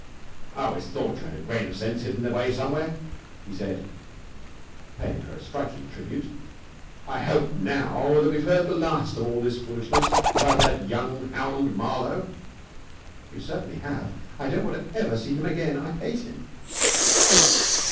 "I always thought you had a grain of sense hidden away somewhere," he said, paying her a striking tribute. "I hope now that we've heard the last of all this foolishness about that young hound Marlowe." "You certainly have! I don't want ever to see him again! I hate him!"